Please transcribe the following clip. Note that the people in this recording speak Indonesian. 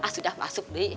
ah sudah masuk deh